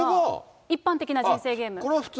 一般的な人生ゲーム。